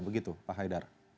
begitu pak haidar